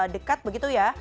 dekat begitu ya